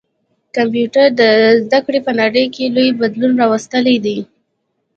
کمپيوټر د زده کړي په نړۍ کي لوی بدلون راوستلی دی.